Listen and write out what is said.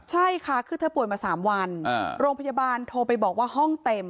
ใช่ค่ะคือเธอป่วยมา๓วันโรงพยาบาลโทรไปบอกว่าห้องเต็ม